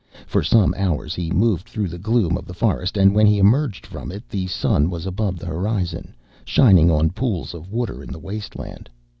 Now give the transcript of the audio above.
For some hours he moved through the gloom of the forest, and when he emerged from it the sun was above the horizon shining on pools of water in the waste land.